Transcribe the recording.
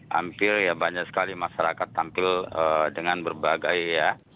hampir ya banyak sekali masyarakat tampil dengan berbagai ya